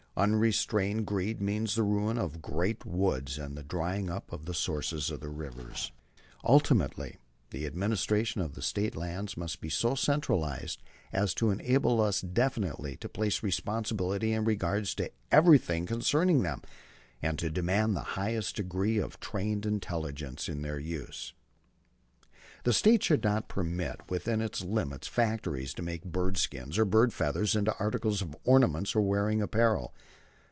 Unrestrained greed means the ruin of the great woods and the drying up of the sources of the rivers. "Ultimately the administration of the State lands must be so centralized as to enable us definitely to place responsibility in respect to everything concerning them, and to demand the highest degree of trained intelligence in their use. "The State should not permit within its limits factories to make bird skins or bird feathers into articles of ornament or wearing apparel.